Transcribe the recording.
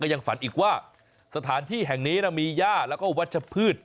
ยังฝันอีกว่าสถานที่แห่งนี้มีย่าแล้วก็วัชพืช